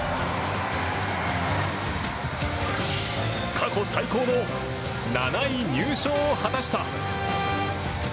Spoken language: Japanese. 過去最高の７位入賞を果たした。